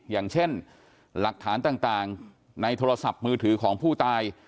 อย่างเช่นหลักฐานต่างในโทรศัพท์มือถือของผู้ตาย